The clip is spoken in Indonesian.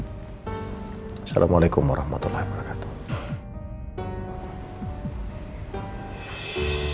assalamualaikum warahmatullahi wabarakatuh